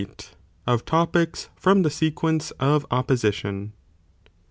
—Of Topics, from the sequence of Opposition.